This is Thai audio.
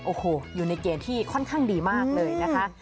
โอ้โหอยู่ในเกณฑ์ที่ค่อนข้างดีมากเลยนะคะ